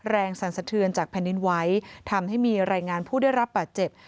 แรงสรรสะเทือนจากแผ่นนินไวท์ทำให้มีรายงานผู้ได้รับปะเจ็บ